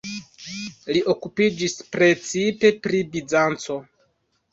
Li okupiĝis precipe pri Bizanco.